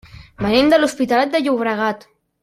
Venim de l'Hospitalet de Llobregat.